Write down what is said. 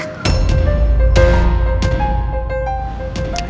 lakukan nama rai